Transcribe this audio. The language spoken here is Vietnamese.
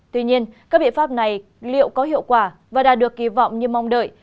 tuy nhiên các biện pháp này liệu có hiệu quả và đạt được kỳ vọng như mong đợi